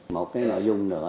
một cái nội dung nữa